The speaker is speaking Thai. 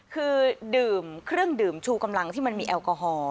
คือดื่มเครื่องดื่มชูกำลังที่มันมีแอลกอฮอล